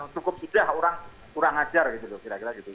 cukup sudah orang kurang ajar gitu loh kira kira gitu